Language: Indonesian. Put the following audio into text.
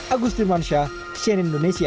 agus dirwansyah cnn indonesia